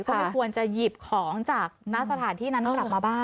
ก็ไม่ควรจะหยิบของจากณสถานที่นั้นกลับมาบ้าน